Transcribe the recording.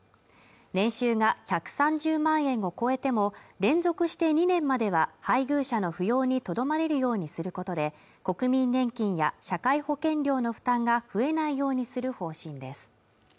年収が１３０万円を超えても連続して２年までは配偶者の扶養にとどまれるようにすることで国民年金や社会保険料の負担が増えないようにする方針です